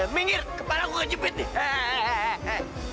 minggir kepala gue jepit nih